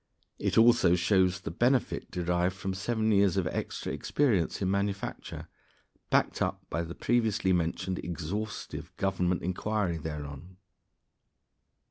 It also shows the benefit derived from seven years' extra experience in manufacture, backed up by the previously mentioned exhaustive Government inquiry thereon.